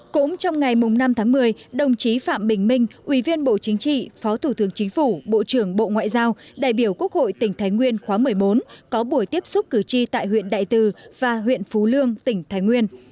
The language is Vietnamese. cũng trong ngày năm tháng một mươi đồng chí phạm bình minh ủy viên bộ chính trị phó thủ tướng chính phủ bộ trưởng bộ ngoại giao đại biểu quốc hội tỉnh thái nguyên khóa một mươi bốn có buổi tiếp xúc cử tri tại huyện đại từ và huyện phú lương tỉnh thái nguyên